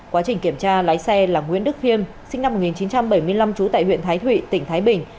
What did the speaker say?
quá trình kiểm tra lái xe là nguyễn đức khiêm sinh năm một nghìn chín trăm bảy mươi năm trú tại huyện thái thụy tỉnh thái bình